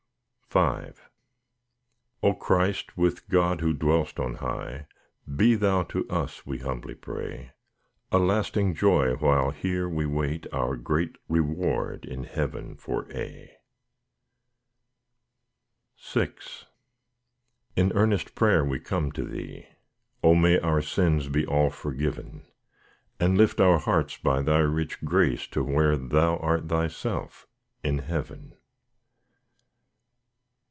V O Christ, with God who dwell'st on high, Be Thou to us, we humbly pray, A lasting joy while here we wait, Our great reward in heaven for aye. VI In earnest prayer we come to Thee; O may our sins be all forgiven, And lift our hearts by Thy rich grace, To where Thou art Thyself, in heaven.